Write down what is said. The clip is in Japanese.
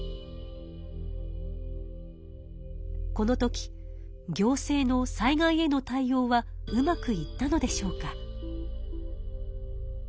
この時行政の災害への対応はうまくいったのでしょうか？